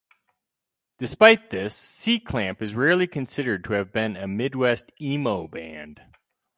Despite this, C-Clamp is rarely considered to have been a midwest emo band.